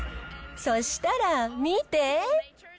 そしたら、見て。